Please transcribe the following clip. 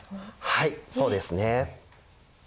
はいそうですね。